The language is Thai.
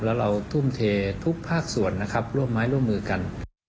แล้วเราทุ่มเททุกภาคส่วนนะครับร่วมไม้ร่วมมือกัน